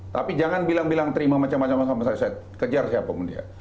tapi jangan bilang bilang terima macam macam macam saya kejar siapa pun dia